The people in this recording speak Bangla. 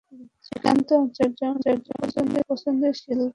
শ্রীকান্ত আচার্য আমাদের খুব পছন্দের শিল্পী এটুকুই শুধু ধারণা ছিল আমার।